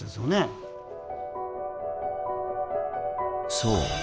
そう。